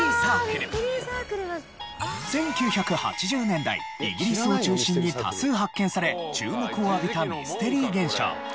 １９８０年代イギリスを中心に多数発見され注目を浴びたミステリー現象。